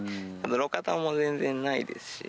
路肩も全然ないですし。